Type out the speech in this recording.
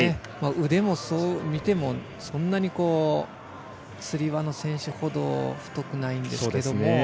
腕も、そんなにつり輪の選手ほど太くないんですけども。